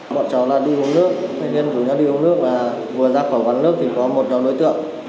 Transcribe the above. bọn cháu là đi hôn nước thanh niên của nhóm đi hôn nước là vừa ra khỏi quán nước thì có một nhóm đối tượng